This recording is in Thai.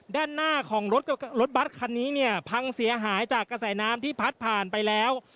ด้านหน้าของรถบัตรคันนี้เนี่ยพังเสียหายจากกระแสน้ำที่พัดผ่านไปแล้ว